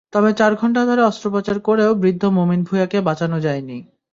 তবে চার ঘণ্টা ধরে অস্ত্রোপচার করেও বৃদ্ধ মমিন ভূঁইয়াকে বাঁচানো যায়নি।